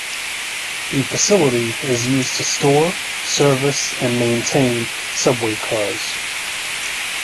The facility is used to store, service and maintain subway cars.